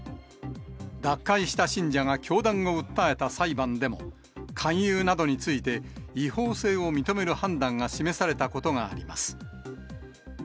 脱会した信者が教団を訴えた裁判でも、勧誘などについて違法性を認める判断が示されたことがあります。